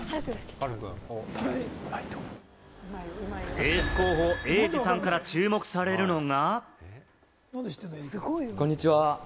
エース候補・エイジさんから注目されるのが。